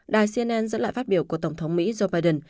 đài cnn dẫn lại phát biểu của tổng thống mỹ joe biden